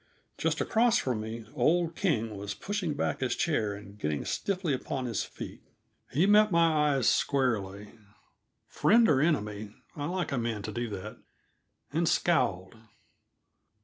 Just across from me old King was pushing back his chair and getting stiffly upon his feet. He met my eyes squarely friend or enemy, I like a man to do that and scowled.